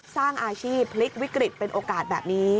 สร้างอาชีพพลิกวิกฤตเป็นโอกาสแบบนี้